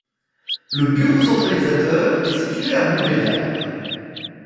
Le bureau centralisateur est situé à Montbéliard.